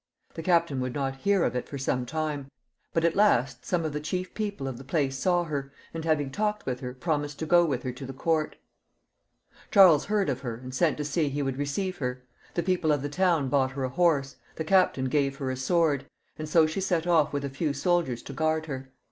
The captain would not hear of it for some time ; but at last some of the chief people of the place saw her, and having talked with her, promised to go with her to the court, i Charles heard of her, and sent to say he would receive XXX.1 CHARLES VIL 203 her; the people of the town bought her a horse; the captain gave her a sword ; and so she set ofif with a few soldiers to guard her.